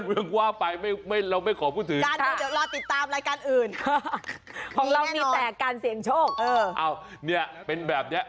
เกี่ยวกับข่าวที่ว่าเขาตีความเป็นแบบไหน